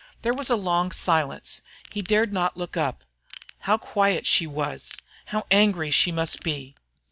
There was a long silence. He dared not look up. How quiet she was! How angry she must be!